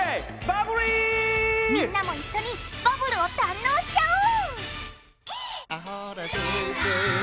みんなも一緒にバブルを堪能しちゃおう！